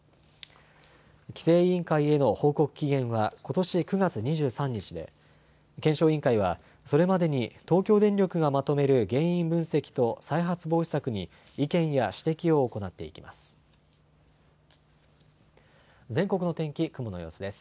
規制委員会への報告期限はことし９月２３日で検証委員会は、それまでに東京電力がまとめる原因分析と再発防止策に意見や指摘を行っていきます。